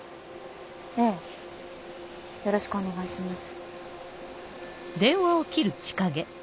ええよろしくお願いします。